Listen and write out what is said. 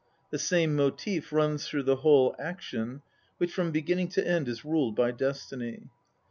The same motive runs through the whole action, which from beginning to end is ruled by destiny.